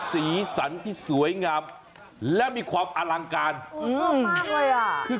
สีสันที่สวยงามและมีความอลังการอืมด้วยอ่ะคือ